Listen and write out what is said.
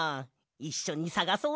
いっしょにさがそうぜ！